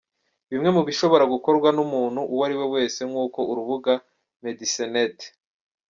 Bimwe mu bishobora gukorwa n’umuntu uwo ari we wese nk'uko urubuga medicinenet.